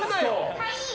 はい！